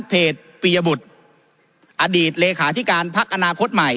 ปียบุตรอดีตเลขาธิการพักอนาคตใหม่